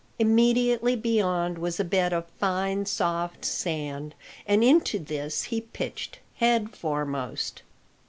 Immediately beyond was a bed of fine soft sand, and into this he pitched, head foremost.